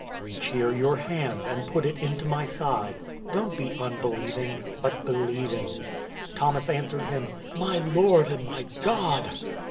Reach here your hand, and put it into my side. Don't be unbelieving, but believing." 020:028 Thomas answered him, "My Lord and my God!"